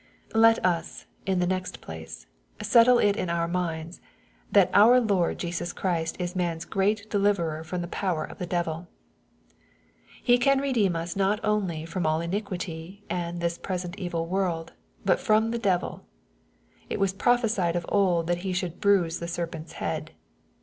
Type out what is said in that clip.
Let us, in the next place^ settle it in our minds, that our Lord Jtsris Ohrist is man's great deliverer from the power of the devil. He can redeem us not only " from all iniquity," and " this present evil world," but from the deviL It was prophecied of old that he should bruise the serpent's head.